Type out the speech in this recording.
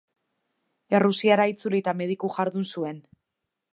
Errusiara itzuli eta mediku jardun zuen.